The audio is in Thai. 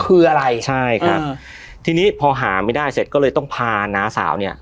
คืออะไรใช่ครับทีนี้พอหาไม่ได้เสร็จก็เลยต้องพาน้าสาวเนี่ย